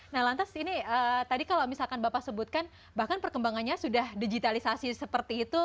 nah lantas ini tadi kalau misalkan bapak sebutkan bahkan perkembangannya sudah digitalisasi seperti itu